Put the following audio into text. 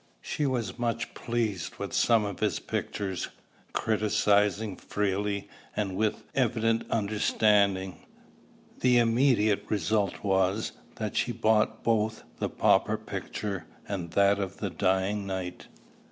She was much pleased with some of his pictures, criticising freely, and with evident understanding. The immediate result was, that she bought both the pauper picture and that of the dying knight.